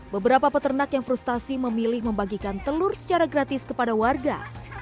beberapa peternak yang frustasi memilih membagikan telur secara gratis kepada warga